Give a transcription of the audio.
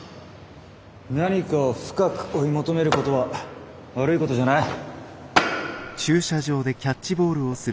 何かを深く追い求めることは悪いことじゃない。